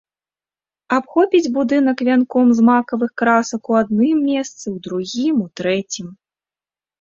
Абхопіць будынак вянком з макавых красак у адным месцы, у другім, у трэцім.